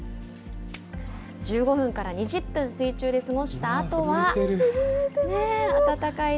１５分から２０分、水中で過ごしたあとは。